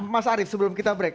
mas arief sebelum kita break